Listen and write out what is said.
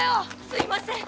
すいません。